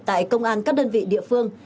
tại công an các đơn vị địa phương